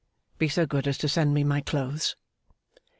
Be so good as send me my clothes.